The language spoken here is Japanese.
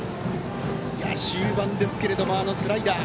終盤ですけども、あのスライダー。